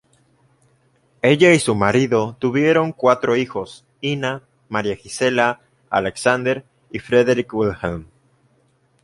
Ella y su marido tuvieron cuatro hijos: Ina, Maria-Gisela, Alexander y Friedrich-Wilhelm.